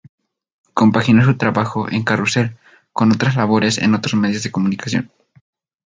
Compaginó su trabajo en "Carrusel" con otras labores en otros medios de comunicación.